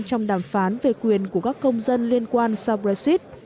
trong đàm phán về quyền của các công dân liên quan sau brexit